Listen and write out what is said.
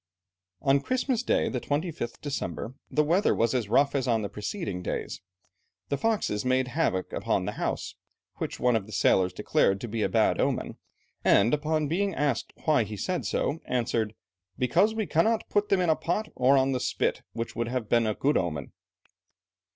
On Christmas Day, the 25th December, the weather was as rough as on the preceding days. The foxes made havoc upon the house, which one of the sailors declared to be a bad omen, and upon being asked why he said so, answered, "Because we cannot put them in a pot, or on the spit, which would have been a good omen."